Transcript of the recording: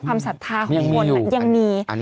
ความสัตธาของบนอย่างมี